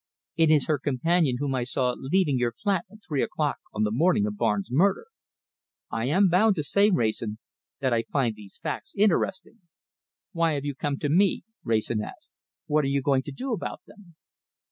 It is her companion whom I saw leaving your flat at three o'clock on the morning of Barnes' murder. I am bound to say, Wrayson, that I find these facts interesting." "Why have you come to me?" Wrayson asked. "What are you going to do about them?"